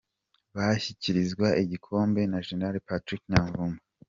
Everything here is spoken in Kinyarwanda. Bashyikirizwa igikombe na Gen Patrick Nyamvumba.